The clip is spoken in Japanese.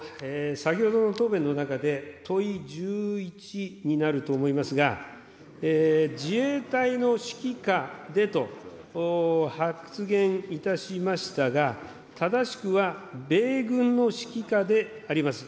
先ほどの答弁の中で、問い１１になると思いますが、自衛隊の指揮下でと発言いたしましたが、正しくは、米軍の指揮下であります。